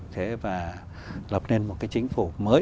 thế và lập nên một cái chính phủ mới